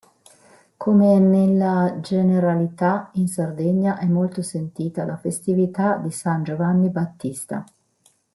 Come nella generalità in Sardegna è molto sentita la festività di San Giovanni Battista.